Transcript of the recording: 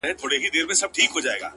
چي ستا به اوس زه هسي ياد هم نه يم!